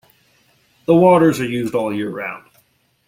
The waters are used all year round.